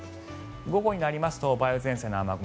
午後になりますと梅雨前線の雨雲